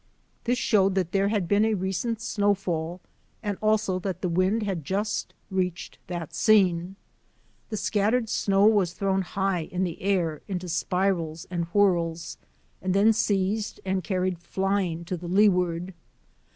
This showed that there had been a recent snowfall and also that the wind had just reached that scene. The scattered snow was thrown high in the air into spirals and whirls and then seized and carried flying to the leeward.